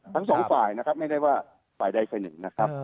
ทั้งสองฝ่ายนะครับไม่ได้ว่าฝ่ายใดฝ่ายหนึ่งนะครับ